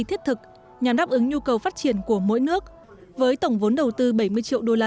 thiết thực nhằm đáp ứng nhu cầu phát triển của mỗi nước với tổng vốn đầu tư bảy mươi triệu usd